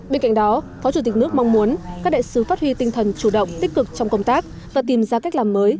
bên cạnh đó phó chủ tịch nước mong muốn các đại sứ phát huy tinh thần chủ động tích cực trong công tác và tìm ra cách làm mới